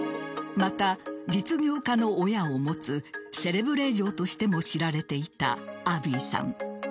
また、実業家の親を持つセレブ令嬢としても知られていたアビーさん。